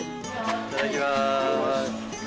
いただきます。